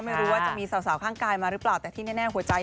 ไม่รู้ว่าจะมีสาวข้างกายมาหรือเปล่าแต่ที่แน่หัวใจ